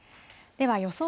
では予想